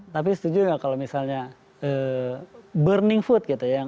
tapi setuju nggak kalau misalnya burning food gitu ya